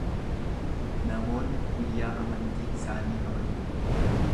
Namoonni guyyaa amantii isaanii kabaju.